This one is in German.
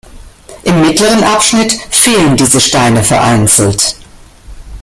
Im mittleren Abschnitt fehlen diese Steine vereinzelt.